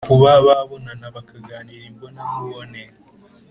kuba babonana bakaganira imbonankubone,